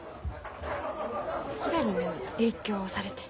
ひらりに影響されて？